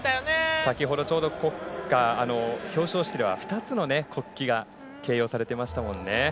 先ほどちょうど表彰式では、２つの国旗が掲揚されていましたもんね。